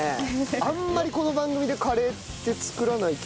あんまりこの番組でカレーって作らない気がする。